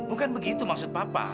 bukan begitu maksud papa